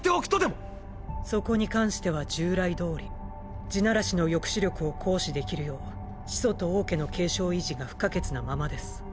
そこに関しては従来どおり「地鳴らし」の抑止力を行使できるよう始祖と王家の継承維持が不可欠なままです。